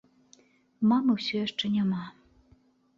Мамы ўсё яшчэ няма.